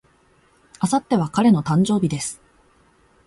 明後日は彼の誕生日です。